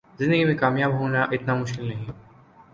زندگی میں کامیاب ہونا اتنا مشکل نہیں